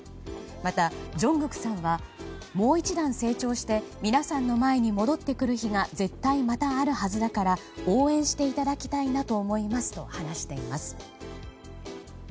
またＪＵＮＧＫＯＯＫさんはもう一段成長して皆さんの前に戻ってくる日が絶対またあるはずだから応援していただきたいと思いますと話しています。